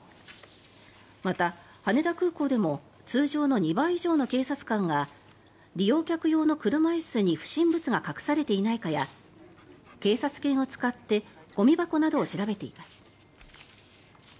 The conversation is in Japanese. また、羽田空港でも通常の２倍以上の警察官が利用客用の車椅子に不審物が隠されていないかや警察犬を使ってゴミ箱などを調べています。